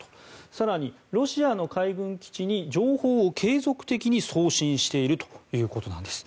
更にロシアの海軍基地に情報を継続的に送信しているということです。